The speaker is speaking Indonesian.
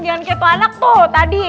jangan kayak tuh anak tuh tadi